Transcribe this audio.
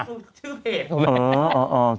ชื่อเพจ